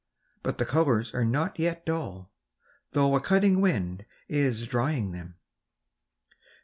. but the colours are not yet dull, though a cutting wind is drying them.